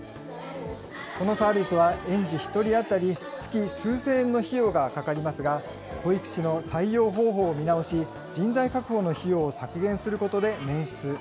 このサービスは、園児１人当たり月数千円の費用がかかりますが、保育士の採用方法を見直し、人材確保の費用を削減することで捻出。